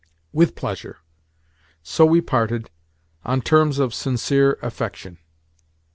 "With pleasure." So we parted—on terms of sincere affection.